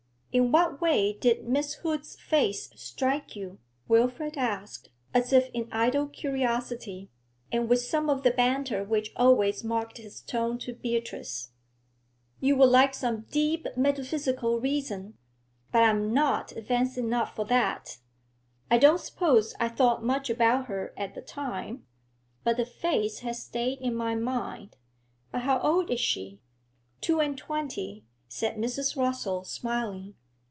'In what way did Miss Hood's face strike you?' Wilfrid asked, as if in idle curiosity, and with some of the banter which always marked his tone to Beatrice. 'You would like some deep, metaphysical reason, but I am not advanced enough for that. I don't suppose I thought much about her at the time, but the face has stayed in my mind. But how old is she?' 'Two and twenty,' said Mrs. Rossall, smiling.